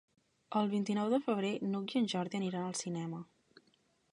El vint-i-nou de febrer n'Hug i en Jordi aniran al cinema.